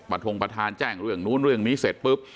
ทงประธานแจ้งเรื่องนู้นเรื่องนี้เสร็จปุ๊บ